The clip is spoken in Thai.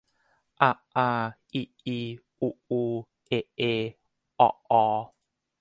อะ อา อิ อี อุ อู เอะ เอ เอาะ ออ